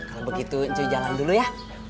kalau begitu itu jalan dulu ya